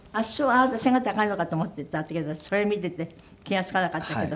あなた背が高いのかと思っていたけどそれ見ていて気が付かなかったけど。